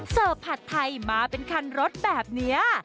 เสิร์ฟผัดไทยมาเป็นคันรถแบบเนี้ย